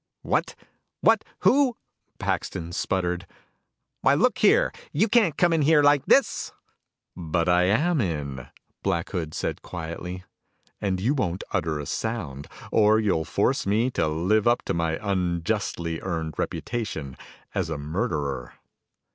"What what who " Paxton sputtered. "Why, look here, you can't come in here like this!" "But I am in," Black Hood said quietly. "And you won't utter a sound, or you'll force me to live up to my unjustly earned reputation as a murderer."